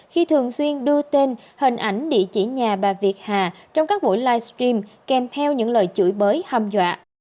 khi thường xuyên đưa tên hình ảnh địa chỉ nhà bà việt hà trong các buổi livestream kèm theo những lời chửi bới hâm dọa